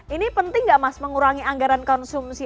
ini penting nggak mas mengurangi anggaran konsumsi